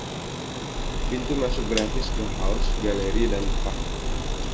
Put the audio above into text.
Pintu masuk gratis ke House, Gallery, dan Park.